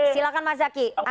silahkan mas zaky